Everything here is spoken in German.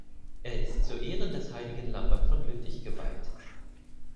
Er ist zu Ehren des heiligen Lambert von Lüttich geweiht.